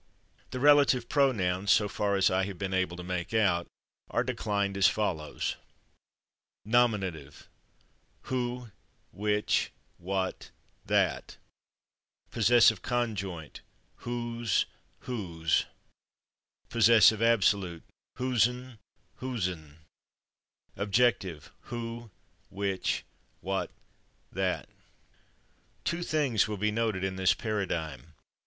The relative pronouns, so far as I have been able to make out, are declined as follows: /Nominative/ who which what that /Possessive Conjoint/ whose whose /Possessive Absolute/ whosen whosen /Objective/ who which what that [Pg218] Two things will be noted in this paradigm.